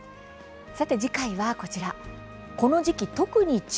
さて次回はこちら。